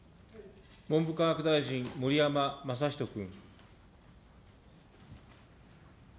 文部科学大臣、盛山正仁君。